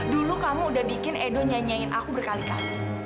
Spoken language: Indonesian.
dulu kamu udah bikin edo nyanyiin aku berkali kali